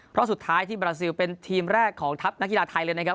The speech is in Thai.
เพราะสุดท้ายที่บราซิลเป็นทีมแรกของทัพนักกีฬาไทยเลยนะครับ